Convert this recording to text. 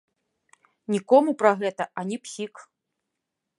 Нікому пра гэта ані псік!